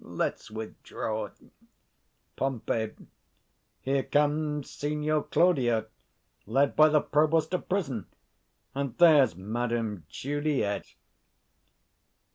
let's withdraw. Pom. Here comes Signior Claudio, led by the provost to prison; and there's Madam Juliet.